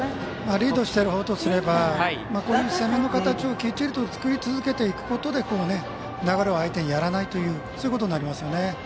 リードしているほうとすれば、こういう攻めの形をきっちりと作り続けることで流れを相手にやらないということになりますよね。